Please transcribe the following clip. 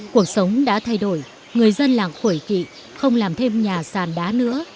cuộc sống đã thay đổi người dân làng khuẩy kỵ không làm thêm nhà sàn đá nữa